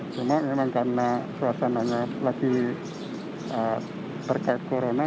cuma memang karena suasananya lagi terkait corona